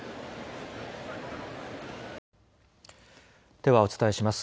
ではお伝えします。